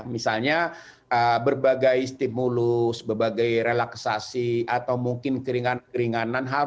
misalnya berbagai stimulus berbagai relaksasi atau mungkin keringanan harus dibutuhkan